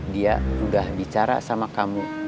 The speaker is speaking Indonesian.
dia udah bicara sama kamu